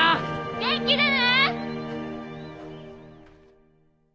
元気でね！